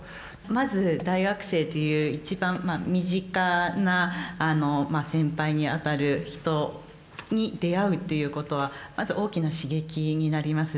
まず大学生という一番身近な先輩にあたる人に出会うということはまず大きな刺激になります。